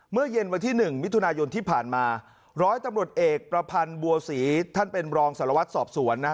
เมื่อเย็นวันที่หนึ่งมิถุนายนที่ผ่านมาร้อยตำรวจเอกประพันธ์บัวศรีท่านเป็นรองสารวัตรสอบสวนนะ